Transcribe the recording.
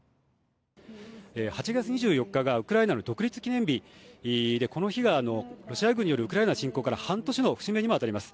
８月２４日がウクライナの独立記念日でこの日がロシア軍によるウクライナ侵攻から半年の節目に当たります。